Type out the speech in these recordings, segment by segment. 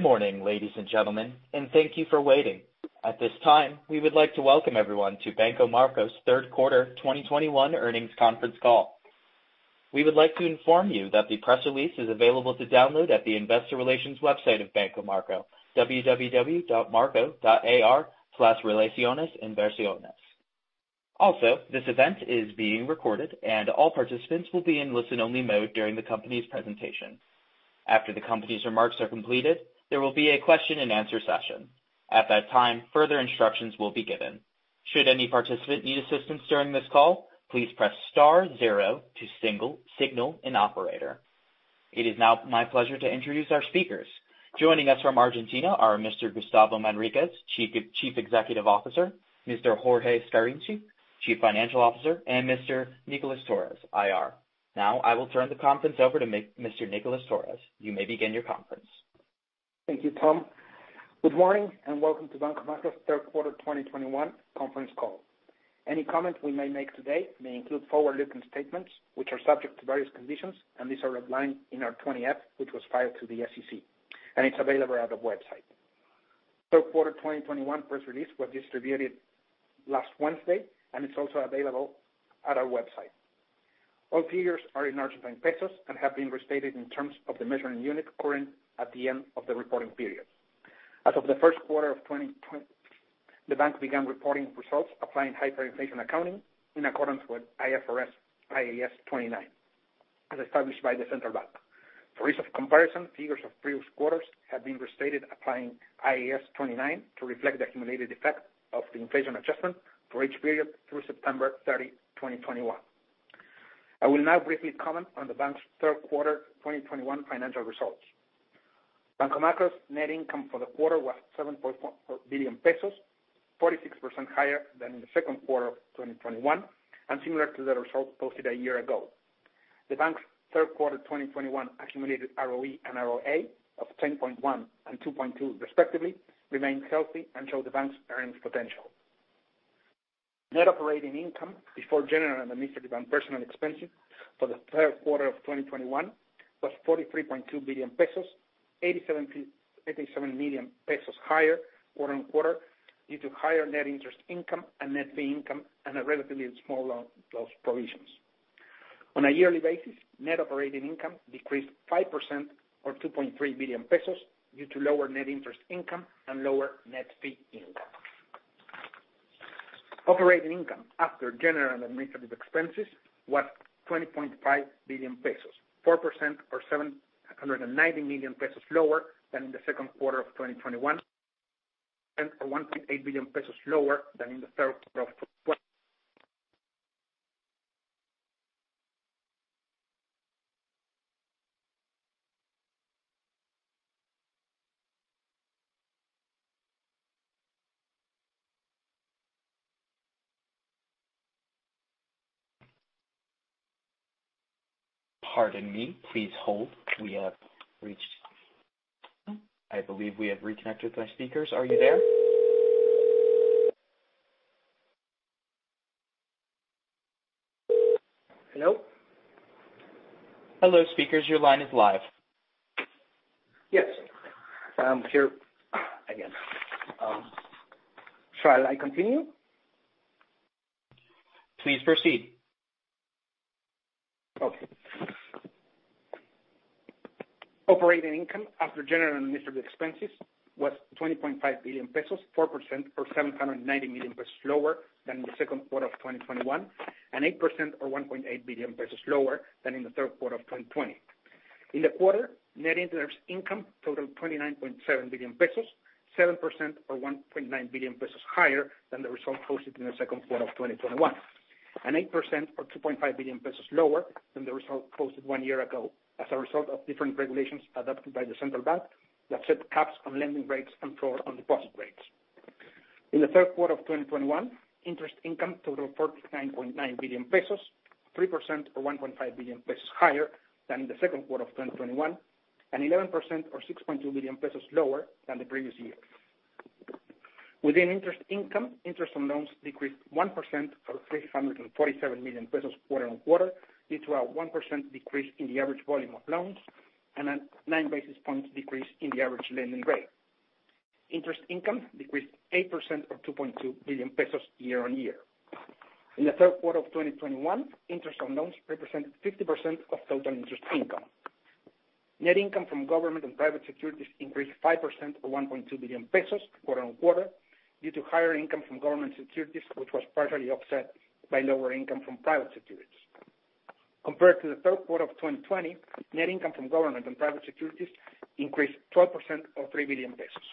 Good morning, ladies and gentlemen, and thank you for waiting. At this time, we would like to welcome everyone to Banco Macro's third quarter 2021 earnings conference call. We would like to inform you that the press release is available to download at the investor relations website of Banco Macro, www.macro.ar/inversores. Also, this event is being recorded and all participants will be in listen-only mode during the company's presentation. After the company's remarks are completed, there will be a question-and-answer session. At that time, further instructions will be given. Should any participant need assistance during this call, please press star zero to signal an operator. It is now my pleasure to introduce our speakers. Joining us from Argentina are Mr. Gustavo Manriquez, Chief Executive Officer, Mr. Jorge Scarinci, Chief Financial Officer, and Mr. Nicolas Torres, IR. Now I will turn the conference over to Mr. Nicolas Torres. You may begin your conference. Thank you, Tom. Good morning, and welcome to Banco Macro's third quarter 2021 conference call. Any comment we may make today may include forward-looking statements which are subject to various conditions, and these are outlined in our 20-F, which was filed to the SEC, and it's available at our website. Third quarter 2021 press release was distributed last Wednesday, and it's also available at our website. All figures are in Argentine pesos and have been restated in terms of the measuring unit current at the end of the reporting period. As of the first quarter of 2020, the bank began reporting results applying hyperinflation accounting in accordance with IFRS IAS 29, as established by the Central Bank. For ease of comparison, figures of previous quarters have been restated applying IAS 29 to reflect the accumulated effect of the inflation adjustment for each period through September 30th, 2021. I will now briefly comment on the bank's third quarter 2021 financial results. Banco Macro's net income for the quarter was 7.4 billion pesos, 46% higher than in the second quarter of 2021, and similar to the results posted a year ago. The bank's third quarter 2021 accumulated ROE and ROA of 10.1 and 2.2 respectively remain healthy and show the bank's earnings potential. Net operating income before general and administrative and personal expenses for the third quarter of 2021 was 43.2 billion pesos, 87 million pesos higher quarter on quarter due to higher net interest income and net fee income and a relatively small loss provisions. On a yearly basis, net operating income decreased 5% or 2.3 billion pesos due to lower net interest income and lower net fee income. Operating income after general and administrative expenses was 20.5 billion pesos, 4% or 790 million pesos lower than in the second quarter of 2021, and 1.8 billion pesos lower than in the third quarter of twen- Pardon me. Please hold. I believe we have reconnected with my speakers. Are you there? Hello? Hello, speakers. Your line is live. Yes. I'm here again. Shall I continue? Please proceed. Okay. Operating income after general and administrative expenses was 20.5 billion pesos, 4% or 790 million pesos lower than the second quarter of 2021, and 8% or 1.8 billion pesos lower than in the third quarter of 2020. In the quarter, net interest income totaled 29.7 billion pesos, 7% or 1.9 billion pesos higher than the result posted in the second quarter of 2021, and 8% or 2.5 billion pesos lower than the result posted one year ago as a result of different regulations adopted by the Central Bank that set caps on lending rates and floors on deposit rates. In the third quarter of 2021, interest income totaled 49.9 billion pesos, 3% or 1.5 billion pesos higher than in the second quarter of 2021, and 11% or 6.2 billion pesos lower than the previous year. Within interest income, interest on loans decreased 1% or 347 million pesos quarter-on-quarter, due to a 1% decrease in the average volume of loans and a 9 basis points decrease in the average lending rate. Interest income decreased 8% or 2.2 billion pesos year-on-year. In the third quarter of 2021, interest on loans represented 50% of total interest income. Net income from government and private securities increased 5% or 1.2 billion pesos quarter-on-quarter due to higher income from government securities, which was partially offset by lower income from private securities. Compared to the third quarter of 2020, net income from government and private securities increased 12% or 3 billion pesos.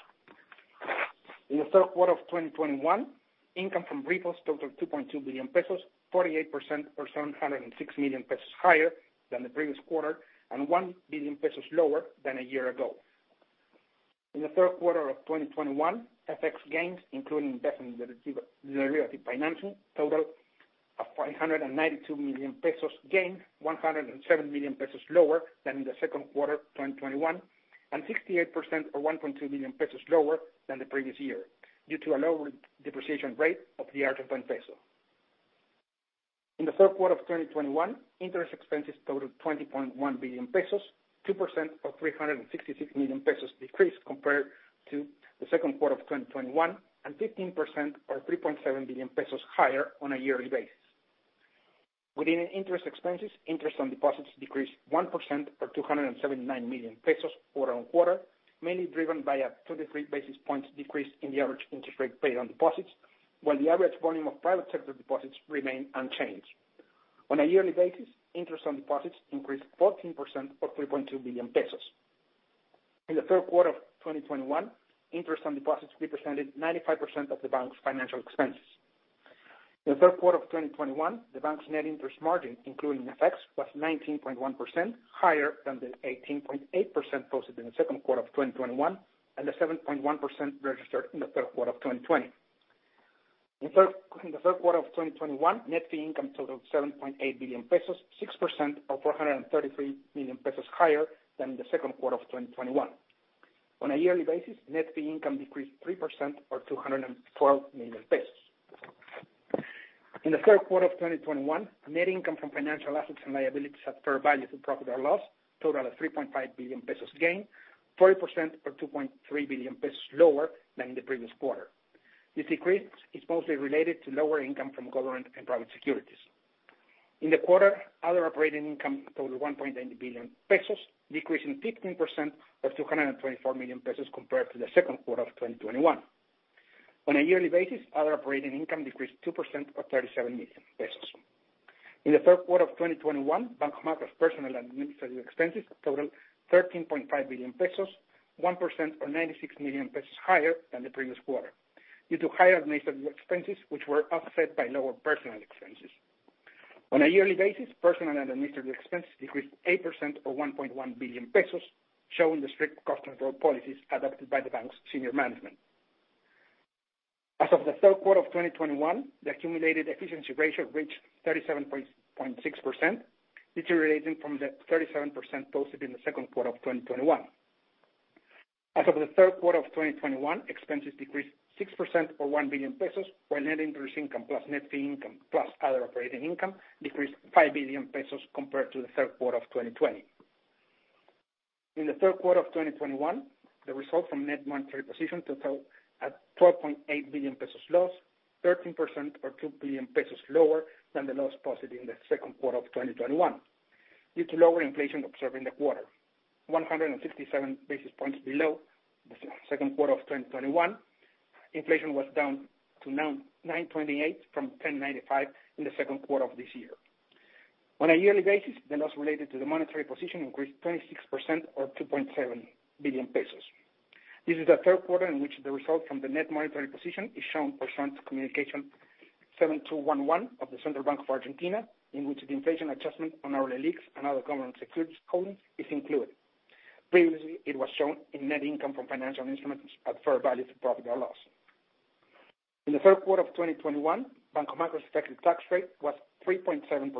In the third quarter of 2021, income from repos totaled 2.2 billion pesos, 48% or 706 million pesos higher than the previous quarter and 1 billion pesos lower than a year ago. In the third quarter of 2021, FX gains, including debt and derivative financing, totaled 592 million pesos gain, 107 million pesos lower than in the second quarter of 2021 and 68% or 1.2 million pesos lower than the previous year, due to a lower depreciation rate of the Argentine peso. In the third quarter of 2021, interest expenses totaled 20.1 billion pesos, 2% or 366 million pesos decreased compared to the second quarter of 2021, and 15% or 3.7 billion pesos higher on a yearly basis. Within interest expenses, interest on deposits decreased 1% or 279 million pesos quarter-on-quarter, mainly driven by a 33 basis points decrease in the average interest rate paid on deposits, while the average volume of private sector deposits remained unchanged. On a yearly basis, interest on deposits increased 14% or 3.2 billion pesos. In the third quarter of 2021, interest on deposits represented 95% of the bank's financial expenses. In the third quarter of 2021, the bank's net interest margin, including effects, was 19.1% higher than the 18.8% posted in the second quarter of 2021, and the 7.1% registered in the third quarter of 2020. In the third quarter of 2021, net fee income totaled 7.8 billion pesos, 6% or 433 million pesos higher than the second quarter of 2021. On a yearly basis, net fee income decreased 3% or 212 million pesos. In the third quarter of 2021, net income from financial assets and liabilities at fair value through profit or loss totaled 3.5 billion pesos gain, 40% or 2.3 billion pesos lower than the previous quarter. This decrease is mostly related to lower income from government and private securities. In the quarter, other operating income totaled 1.8 billion pesos, decreasing 15% or 224 million pesos compared to the second quarter of 2021. On a yearly basis, other operating income decreased 2% or 37 million pesos. In the third quarter of 2021, Banco Macro's personnel administrative expenses totaled 13.5 billion pesos, 1% or 96 million pesos higher than the previous quarter, due to higher administrative expenses, which were offset by lower personnel expenses. On a yearly basis, personnel and administrative expenses decreased 8% or 1.1 billion pesos, showing the strict cost control policies adopted by the bank's senior management. As of the third quarter of 2021, the accumulated efficiency ratio reached 37.6%, deteriorating from the 37% posted in the second quarter of 2021. As of the third quarter of 2021, expenses decreased 6% or 1 billion pesos, while net interest income plus net fee income plus other operating income decreased 5 billion pesos compared to the third quarter of 2020. In the third quarter of 2021, the result from net monetary position total at 12.8 billion pesos loss, 13% or 2 billion pesos lower than the loss posted in the second quarter of 2021. Due to lower inflation observed in the quarter, 167 basis points below the second quarter of 2021, inflation was down to 9.28% from 10.95% in the second quarter of this year. On a yearly basis, the loss related to the monetary position increased 26% or 2.7 billion pesos. This is the third quarter in which the result from the net monetary position is shown pursuant to Communication Seven two one one of the Central Bank of Argentina, in which the inflation adjustment on our LELIQs and other government securities holdings is included. Previously, it was shown in net income from financial instruments at fair value to profit or loss. In the third quarter of 2021, Banco Macro's effective tax rate was 3.7%,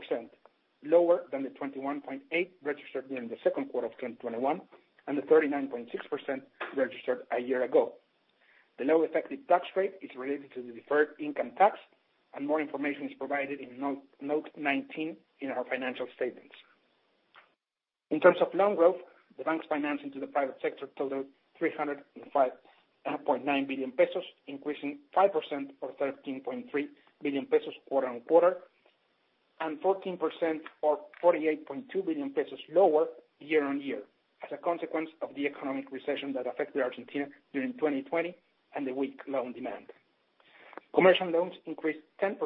lower than the 21.8% registered during the second quarter of 2021, and the 39.6% registered a year ago. The low effective tax rate is related to the deferred income tax, and more information is provided in note nineteen in our financial statements. In terms of loan growth, the bank's financing to the private sector totaled 305.9 billion pesos, increasing 5% or 13.3 billion pesos quarter-over-quarter, and 14% or 48.2 billion pesos lower year-over-year, as a consequence of the economic recession that affected Argentina during 2020 and the weak loan demand. Commercial loans increased 10%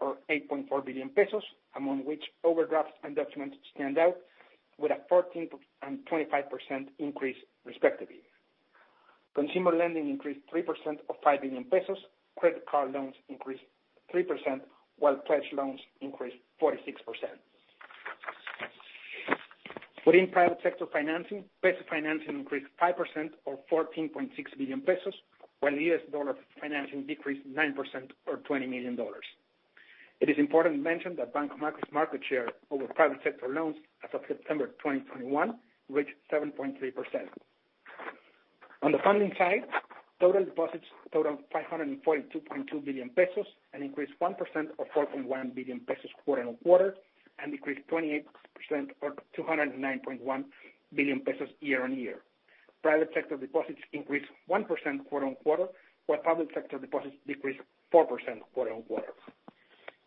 or 8.4 billion pesos, among which overdrafts and documents stand out with a 14% and 25% increase, respectively. Consumer lending increased 3% or 5 billion pesos. Credit card loans increased 3%, while pledge loans increased 46%. Within private sector financing, peso financing increased 5% or 14.6 billion pesos, while U.S. dollar financing decreased 9% or $20 million. It is important to mention that Banco Macro's market share over private sector loans as of September 2021 reached 7.3%. On the funding side, total deposits totaled ARS 542.2 billion, an increase of 1% or 4.1 billion pesos quarter-over-quarter, and decreased 28% or 209.1 billion pesos year-over-year. Private sector deposits increased 1% quarter-on-quarter, while public sector deposits decreased 4% quarter-on-quarter.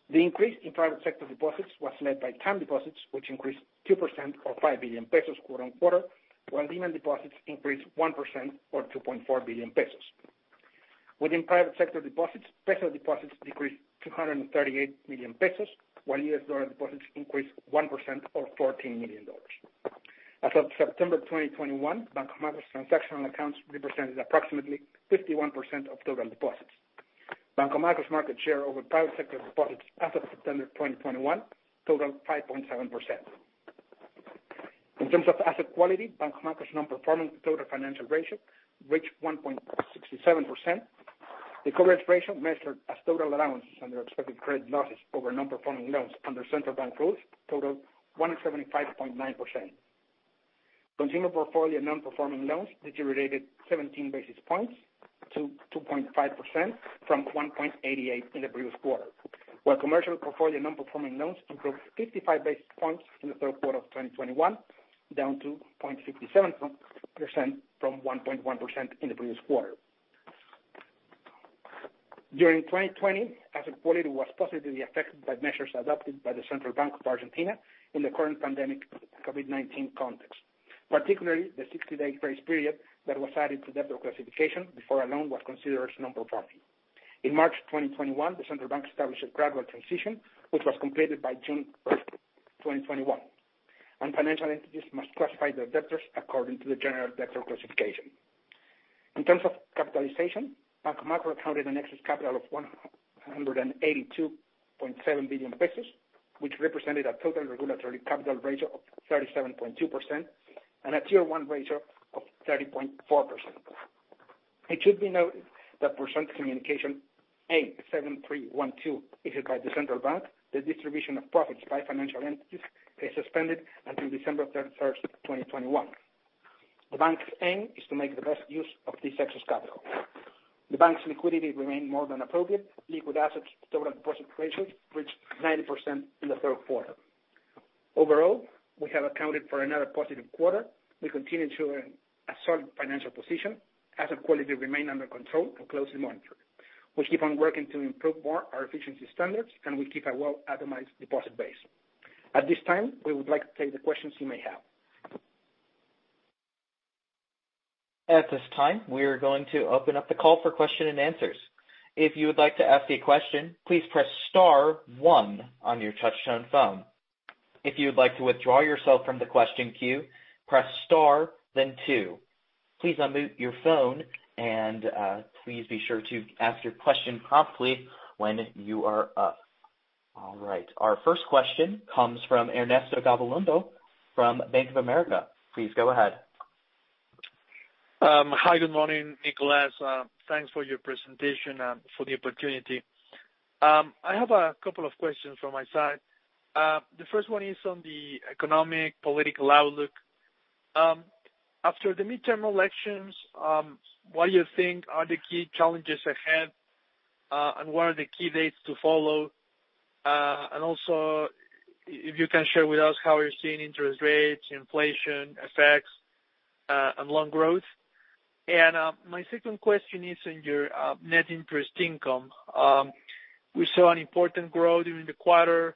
The increase in private sector deposits was led by time deposits, which increased 2% or 5 billion pesos quarter-on-quarter, while demand deposits increased 1% or 2.4 billion pesos. Within private sector deposits, peso deposits decreased 238 million pesos, while US dollar deposits increased 1% or $14 million. As of September of 2021, Banco Macro's transactional accounts represented approximately 51% of total deposits. Banco Macro's market share over private sector deposits as of September of 2021 totaled 5.7%. In terms of asset quality, Banco Macro's non-performing total financial ratio reached 1.67%. The coverage ratio measured as total allowances under expected credit losses over non-performing loans under central bank rules totaled 175.9%. Consumer portfolio nonperforming loans deteriorated 17 basis points to 2.5% from 1.88% in the previous quarter. While commercial portfolio nonperforming loans improved 55 basis points in the third quarter of 2021, down to 0.67% from 1.1% in the previous quarter. During 2020, asset quality was positively affected by measures adopted by the Central Bank of Argentina in the current pandemic COVID-19 context. Particularly, the 60-day grace period that was added to debtor classification before a loan was considered as nonperforming. In March 2021, the Central Bank established a gradual transition, which was completed by June 1, 2021, and financial entities must classify their debtors according to the general debtor classification. In terms of capitalization, Banco Macro accounted for an excess capital of 182.7 billion pesos, which represented a total regulatory capital ratio of 37.2% and a tier-one ratio of 30.4%. It should be noted that per Communication A 7312, issued by the Central Bank of Argentina, the distribution of profits by financial entities is suspended until December 31st, 2021. The bank's aim is to make the best use of this excess capital. The bank's liquidity remained more than appropriate. Liquid assets to total deposit ratio reached 90% in the third quarter. Overall, we have accounted for another positive quarter. We continue to earn a solid financial position. Asset quality remain under control and closely monitored. We keep on working to improve more our efficiency standards, and we keep a well-diversified deposit base. At this time, we would like to take the questions you may have. At this time, we are going to open up the call for question and answers. If you would like to ask a question, please press star one on your touchtone phone. If you would like to withdraw yourself from the question queue, press star, then two. Please unmute your phone and please be sure to ask your question promptly when you are up. All right, our first question comes from Ernesto Gabilondo from Bank of America. Please go ahead. Hi, good morning, Nicolas. Thanks for your presentation and for the opportunity. I have a couple of questions from my side. The first one is on the economic political outlook. After the midterm elections, what do you think are the key challenges ahead, and what are the key dates to follow? And also if you can share with us how you're seeing interest rates, inflation effects, and loan growth. My second question is on your net interest income. We saw an important growth during the quarter,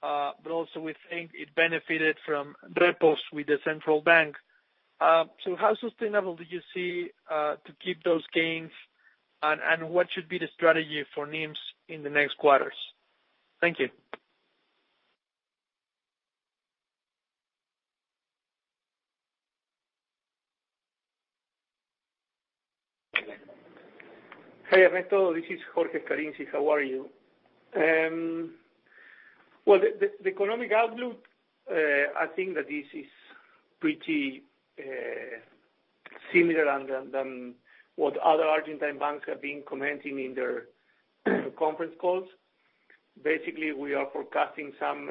but also we think it benefited from repos with the central bank. So how sustainable do you see to keep those gains and what should be the strategy for NIMs in the next quarters? Thank you. Hey, Ernesto, this is Jorge Scarinci. How are you? Well, the economic outlook, I think that this is pretty similar to what other Argentine banks have been commenting in their conference calls. Basically, we are forecasting some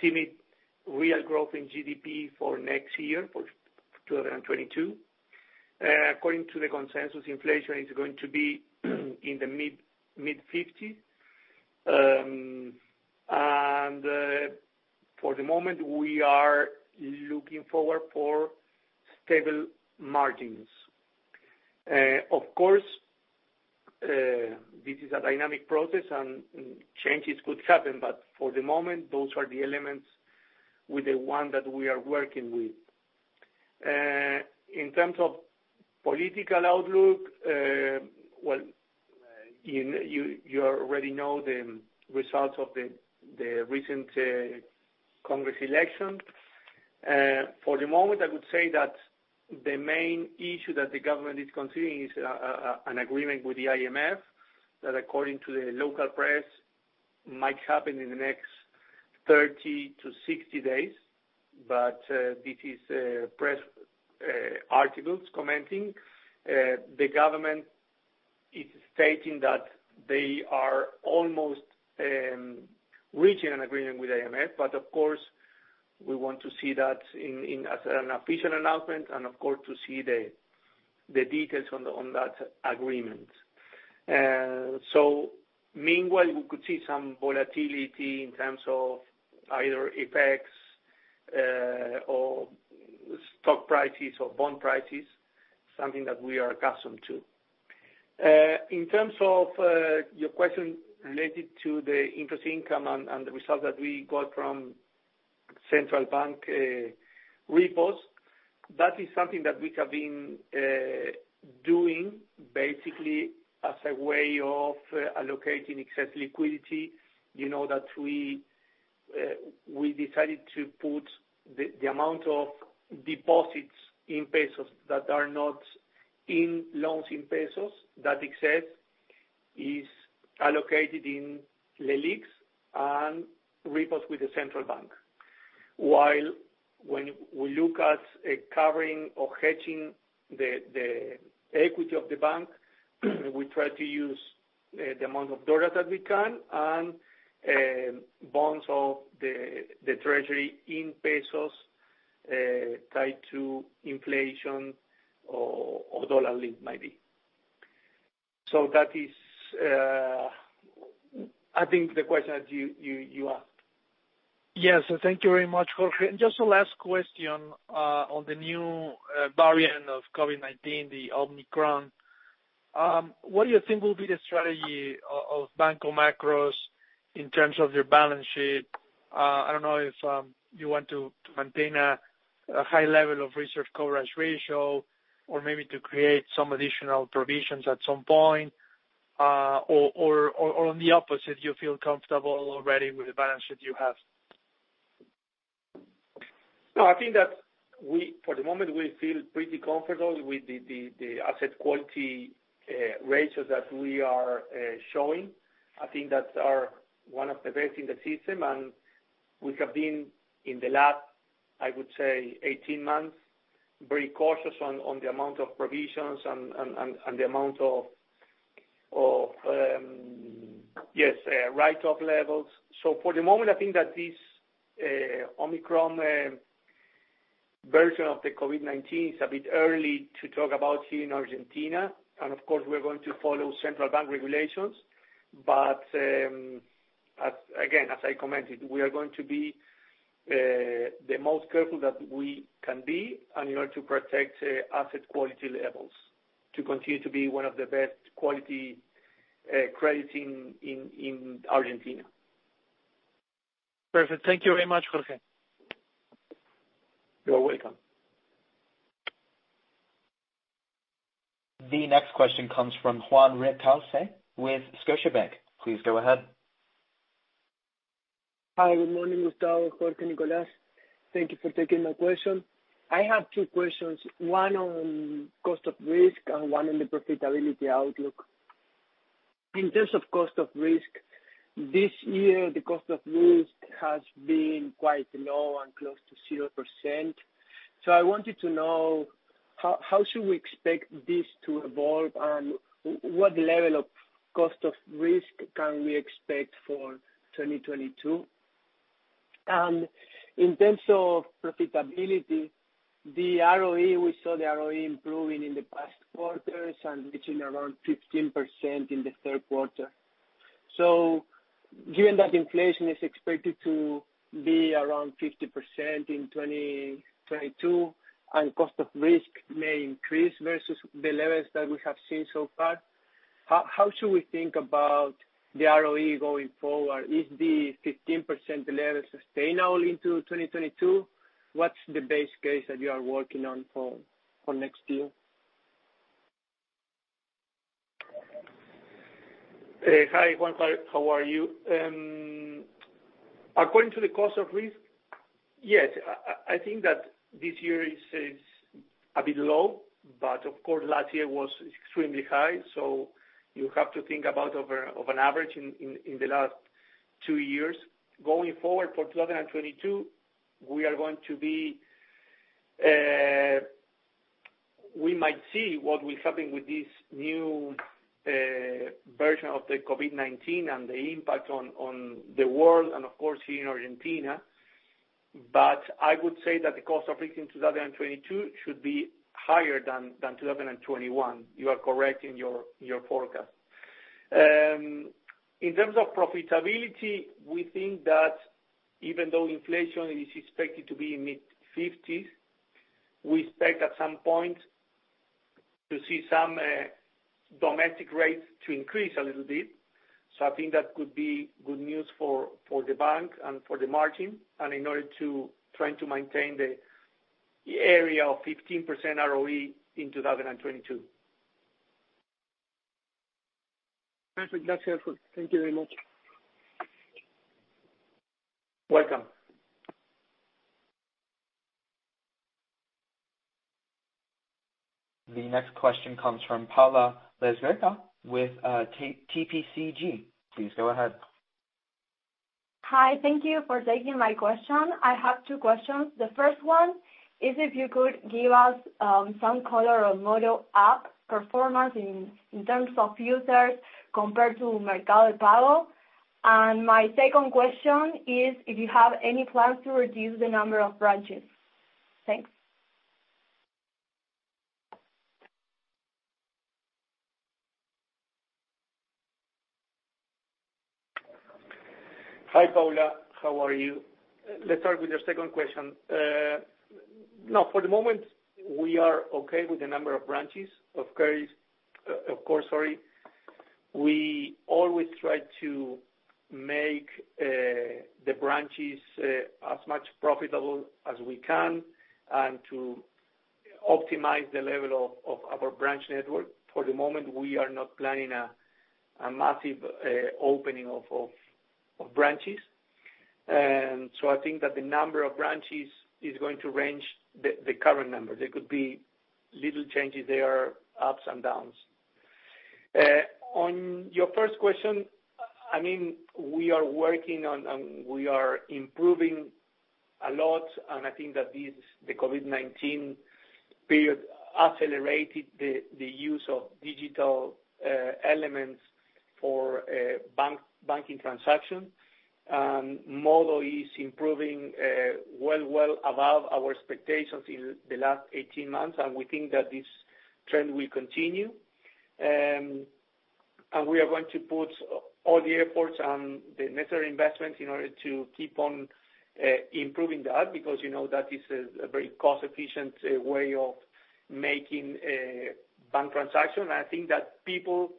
timid real growth in GDP for next year, for 2022. According to the consensus, inflation is going to be in the mid-50s%. For the moment, we are looking forward to stable margins. Of course, this is a dynamic process and changes could happen, but for the moment, those are the elements with which we are working. In terms of political outlook, you already know the results of the recent congressional election. For the moment, I would say that the main issue that the government is continuing is an agreement with the IMF, that according to the local press, might happen in the next 30-60 days. This is press articles commenting. The government is stating that they are almost reaching an agreement with IMF, but of course, we want to see that in as an official announcement and of course, to see the details on that agreement. Meanwhile, we could see some volatility in terms of FX effects or stock prices or bond prices, something that we are accustomed to. In terms of your question related to the interest income and the result that we got from Central Bank repos, that is something that we have been doing basically as a way of allocating excess liquidity. You know that we decided to put the amount of deposits in pesos that are not in loans in pesos. That excess is allocated in LELIQs and repos with the Central Bank. While when we look at covering or hedging the equity of the bank, we try to use the amount of dollar that we can and bonds of the treasury in pesos tied to inflation or dollar-linked maybe. That is, I think, the question that you asked. Yes. Thank you very much, Jorge. Just a last question on the new variant of COVID-19, the Omicron. What do you think will be the strategy of Banco Macro in terms of your balance sheet? I don't know if you want to maintain a high level of reserve coverage ratio or maybe to create some additional provisions at some point, or on the opposite, you feel comfortable already with the balance that you have? No, I think that for the moment we feel pretty comfortable with the asset quality ratios that we are showing. I think that's one of our best in the system, and we have been in the last, I would say 18 months, very cautious on the amount of provisions and the amount of writeoff levels. For the moment, I think that this Omicron version of the COVID-19, it's a bit early to talk about here in Argentina, and of course, we're going to follow central bank regulations. As again, as I commented, we are going to be the most careful that we can be in order to protect asset quality levels, to continue to be one of the best quality credits in Argentina. Perfect. Thank you very much, Jorge. You're welcome. The next question comes from Juan Recaules with Scotiabank. Please go ahead. Hi. Good morning, Gustavo, Jorge, Nicolas. Thank you for taking my question. I have two questions, one on cost of risk and one on the profitability outlook. In terms of cost of risk, this year, the cost of risk has been quite low and close to 0%. I wanted to know how we should expect this to evolve, and what level of cost of risk can we expect for 2022? In terms of profitability, the ROE, we saw the ROE improving in the past quarters and reaching around 15% in the third quarter. Given that inflation is expected to be around 50% in 2022, and cost of risk may increase versus the levels that we have seen so far, how should we think about the ROE going forward? Is the 15% level sustainable into 2022? What's the base case that you are working on for next year? Hi, Juan. How are you? According to the cost of risk, yes, I think that this year is a bit low, but of course, last year was extremely high, so you have to think about an average in the last two years. Going forward for 2022, we might see what will happen with this new version of the COVID-19 and the impact on the world and of course here in Argentina. I would say that the cost of risk in 2022 should be higher than 2021. You are correct in your forecast. In terms of profitability, we think that even though inflation is expected to be mid-50s, we expect at some point to see some domestic rates to increase a little bit. I think that could be good news for the bank and for the margin and in order to try to maintain the area of 15% ROE in 2022. Perfect. That's helpful. Thank you very much. Welcome. The next question comes from Paula La Greca with TPCG. Please go ahead. Hi. Thank you for taking my question. I have two questions. The first one is if you could give us some color on MODO app performance in terms of users compared to Mercado Pago. My second question is if you have any plans to reduce the number of branches. Thanks. Hi, Paula. How are you? Let's start with your second question. No, for the moment, we are okay with the number of branches. Of course, sorry. We always try to make the branches as much profitable as we can and to optimize the level of our branch network. For the moment, we are not planning a massive opening of branches. So I think that the number of branches is going to remain the current number. There could be little changes there, ups and downs. On your first question, I mean, we are working on, and we are improving a lot, and I think that the COVID-19 period accelerated the use of digital elements for banking transaction. MODO is improving well above our expectations in the last 18 months, and we think that this trend will continue. We are going to put all the efforts and the necessary investments in order to keep on improving that because, you know, that is a very cost-efficient way of making a bank transaction. I think that people,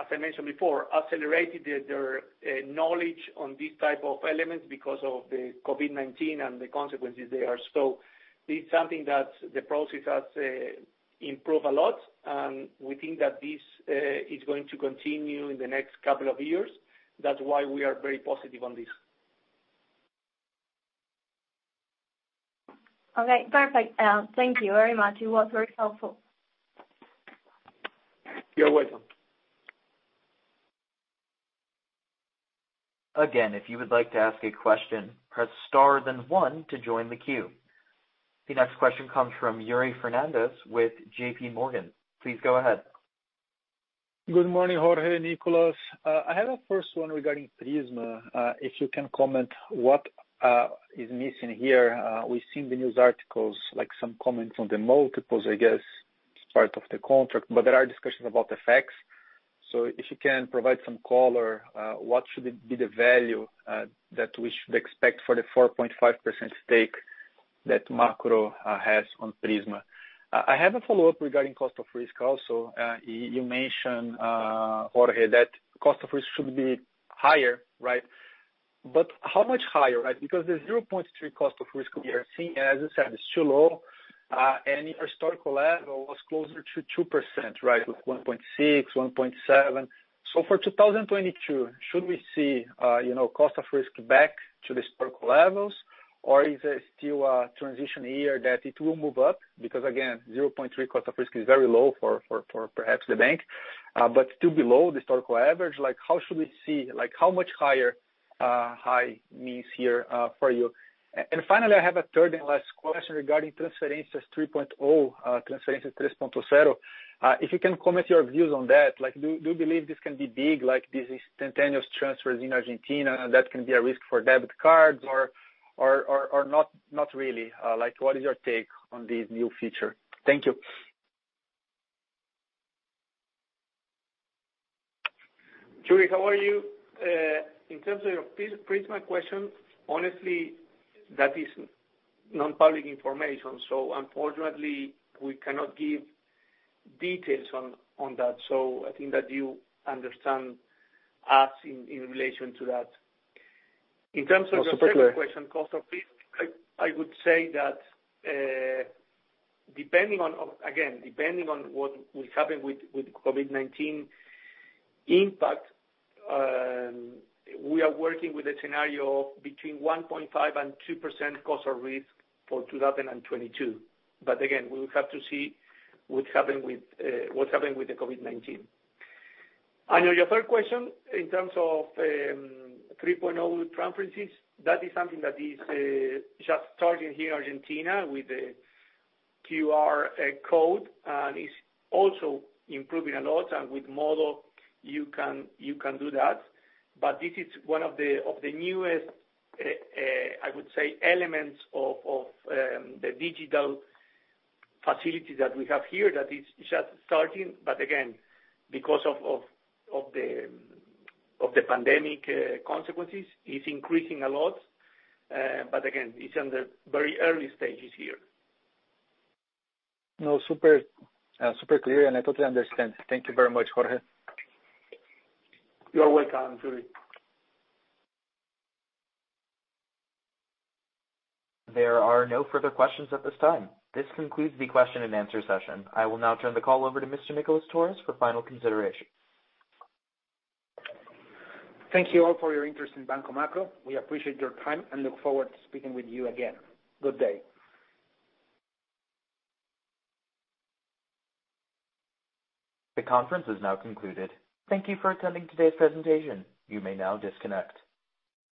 as I mentioned before, accelerated their knowledge on these type of elements because of the COVID-19 and the consequences they are. This is something that the process has improved a lot, and we think that this is going to continue in the next couple of years. That's why we are very positive on this. Okay. Perfect. Thank you very much. It was very helpful. You're welcome. The next question comes from Yuri Fernández with JPMorgan. Please go ahead. Good morning, Jorge, Nicolas. I had a first one regarding Prisma. If you can comment what is missing here. We've seen the news articles, like some comments on the multiples, I guess, as part of the contract. But there are discussions about the facts. If you can provide some color, what should it be the value that we should expect for the 4.5% stake that Macro has on Prisma? I have a follow-up regarding cost of risk also. You mentioned, Jorge, that cost of risk should be higher, right? But how much higher, right? Because the 0.3% cost of risk we are seeing, as you said, is too low. Any historical level was closer to 2%, right? With 1.6%, 1.7%. For 2022, should we see, you know, cost of risk back to the historical levels? Or is it still a transition year that it will move up? Because again, 0.3% cost of risk is very low for the bank, but still below the historical average. Like, how should we see. Like, how much higher high means here for you? And finally, I have a third and last question regarding Transferencias 3.0, Transferencias tres punto cero. If you can comment your views on that, like, do you believe this can be big, like these instantaneous transfers in Argentina, and that can be a risk for debit cards or not really? Like, what is your take on this new feature? Thank you. Yuri, how are you? In terms of your Prisma question, honestly, that is non-public information, so unfortunately we cannot give details on that. I think that you understand us in relation to that. In terms- Super clear. Your second question, cost of risk, I would say that, depending on what will happen with COVID-19 impact, we are working with a scenario between 1.5%-2% cost of risk for 2022. Again, we will have to see what's happened with the COVID-19. Your third question in terms of 3.0 with Transferencias, that is something that is just starting here in Argentina with the QR code, and it's also improving a lot. With MODO you can do that. This is one of the newest, I would say, elements of the digital facility that we have here that is just starting. Because of the pandemic consequences, it's increasing a lot. It's under very early stages here. No, super clear, and I totally understand. Thank you very much, Jorge. You're welcome, Yuri. There are no further questions at this time. This concludes the question and answer session. I will now turn the call over to Mr. Nicolas Torres for final consideration. Thank you all for your interest in Banco Macro. We appreciate your time and look forward to speaking with you again. Good day. The conference is now concluded. Thank you for attending today's presentation. You may now disconnect.